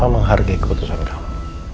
aku menghargai keputusan kamu